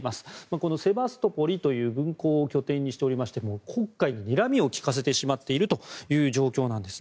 このセバストポリという軍港を拠点にしておりまして黒海ににらみを利かせてしまっているという状況です。